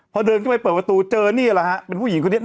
พอเดินขึ้นไปเปิดประตูเจอนี่แหละฮะเป็นผู้หญิงคนนี้